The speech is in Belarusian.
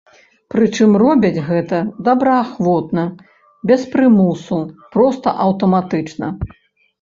Прычым робяць гэта добраахвотна, без прымусу, проста аўтаматычна.